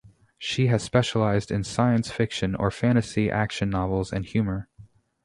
She has specialized in science fiction or fantasy action novels and humor.